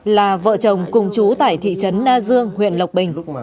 là vợ chồng cùng chú tại thị trấn na dương huyện lộc bình